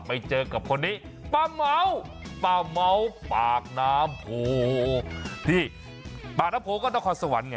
ไปเจอกับคนนี้ป้าเม้าป้าเม้าปากน้ำโพที่ปากน้ำโพก็นครสวรรค์ไง